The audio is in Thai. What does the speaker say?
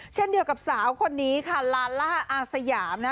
เช่นเดียวกับสาวคนนี้ค่ะลาล่าอาสยาม